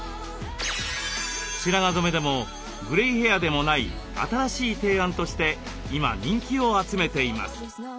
白髪染めでもグレイヘアでもない新しい提案として今人気を集めています。